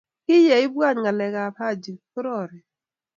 kii ye ibwaat ngalekab Haji korori.